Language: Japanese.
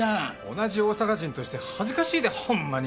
同じ大阪人として恥ずかしいでホンマに。